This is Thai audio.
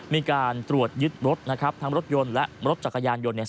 มีการตรวจยึดรถนะครับทั้งรถยนต์และรถจักรยานยนต์เนี่ย